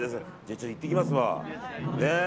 ちょっと行ってきますわ。